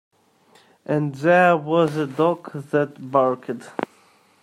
And there was a dog that barked.